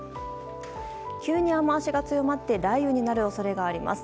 急に雨脚が強まって雷雨になる恐れがあります。